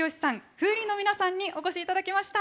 Ｆｏｏｒｉｎの皆さんにお越しいただきました。